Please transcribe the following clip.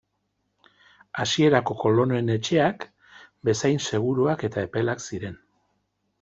Hasierako kolonoen etxeak bezain seguruak eta epelak ziren.